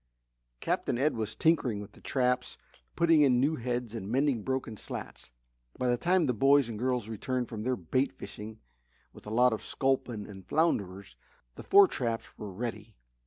Captain Ed was tinkering with the traps, putting in new heads and mending broken slats. By the time the boys and girls returned from their bait fishing, with a lot of sculpins and flounders, the four traps were ready.